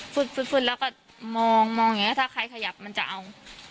ฟึดแล้วก็มองอย่างนี้ถ้าใครขยับมันจะเอา